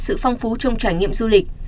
sự phong phú trong trải nghiệm du lịch